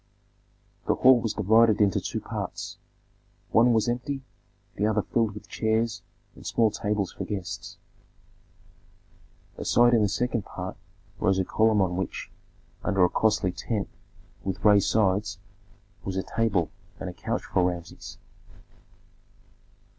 The hall was divided into two parts: one was empty, the other filled with chairs and small tables for guests. Aside in the second part rose a platform on which, under a costly tent with raised sides, was a table and a couch for Rameses.